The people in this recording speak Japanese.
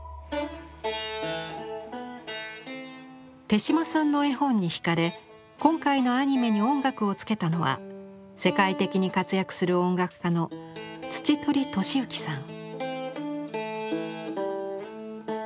手島さんの絵本に惹かれ今回のアニメに音楽をつけたのは世界的に活躍する音楽家の土取利行さん。